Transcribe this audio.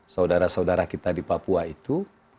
saudara saudara kita di papua itu